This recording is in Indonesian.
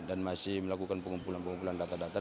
dan masih melakukan pengumpulan pengumpulan data data